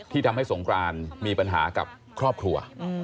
ทำให้สงครานมีปัญหากับครอบครัว